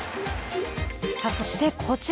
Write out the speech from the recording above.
そして、こちら。